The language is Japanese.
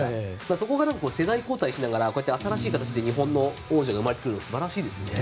そこが世代交代しながらこうやって新しい形で日本の王者が生まれてくるのは素晴らしいですね。